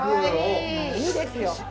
もういいですよ。